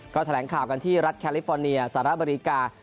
ก็แถลงข่าวกันที่รัฐแคลิฟอร์เนียสหรัฐอเมริกา